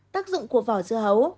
tác dụng của vỏ dưa hấu